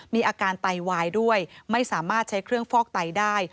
มีอาการไตวายด้วยไม่สามารถใช้เครื่องฟอกไตได้